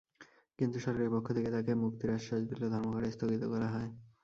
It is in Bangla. কিন্তু সরকারের পক্ষ থেকে তাঁকে মুক্তির আশ্বাস দিলে ধর্মঘট স্থগিত করা হয়।